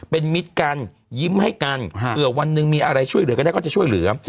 เป็นมิตรกันยิ้มให้กันเผื่อวันหนึ่งมีอะไรช่วยเหลือกันได้ก็จะช่วยเหลือ